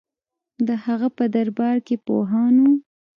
د هغه په دربار کې پوهان وو